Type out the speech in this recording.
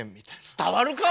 伝わるか！